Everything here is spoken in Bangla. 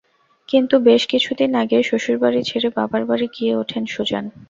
কিন্তু বেশ কিছুদিন আগে শ্বশুরবাড়ি ছেড়ে বাবার বাড়ি গিয়ে ওঠেন সুজান।